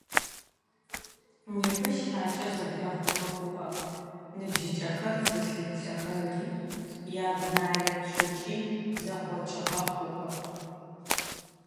Непэ щыӀакӀэр зэблэхъугъэ хъугъэ, ныбжьыкӀэхэр зылъыплъэхэри, ядунэееплъыкӀи зэхъокӀыгъэ хъугъэх.